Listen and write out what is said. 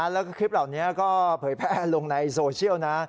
แล้วก็คลิปเหล่านี้ก็เผยแพร่ลงในโซเชียลนะ